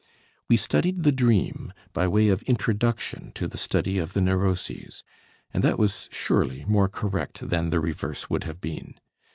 We studied the dream by way of introduction to the study of the neuroses, and that was surely more correct than the reverse would have been.